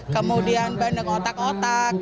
kemudian bandeng otak otak